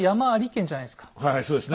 はいはいそうですね。